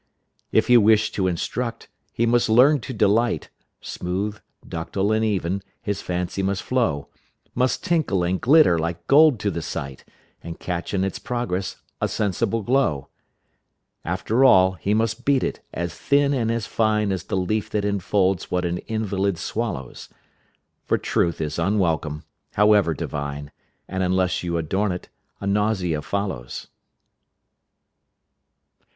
If he wish to instruct, he must learn to delight, Smooth, ductile, and even, his fancy must flow, Must tinkle and glitter like gold to the sight, And catch in its progress a sensible glow. After all he must beat it as thin and as fine As the leaf that enfolds what an invalid swallows, For truth is unwelcome, however divine, And unless you adorn it, a nausea follows.